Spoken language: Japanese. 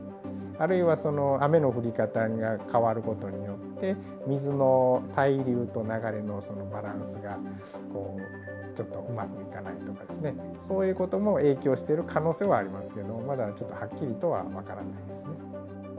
あるいは雨の降り方が変わることによって、水の滞留と流れのそのバランスがちょっとうまくいかないとかですね、そういうことも影響している可能性はありますけれども、まだちょっとはっきりとは分からないですね。